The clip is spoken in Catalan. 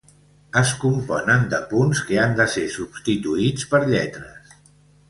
Es componen de punts que han de ser substituïts per lletres.